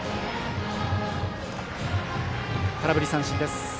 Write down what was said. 空振り三振です。